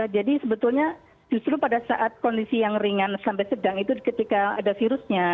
jadi sebetulnya justru pada saat kondisi yang ringan sampai sedang itu ketika ada virusnya